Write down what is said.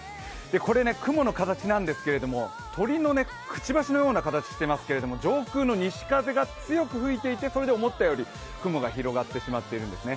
これ、雲の形なんですけれども鳥のくちばしのような形をしていますけれども上空の西風が強く吹いていてそれで思ったより雲が広がってしまっているんですね。